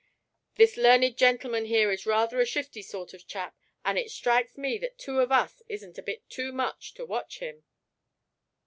"This learned gentleman here is rather a shifty sort of chap; and it strikes me that two of us isn't a bit too much to watch him."